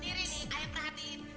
beresek ini kak fatimah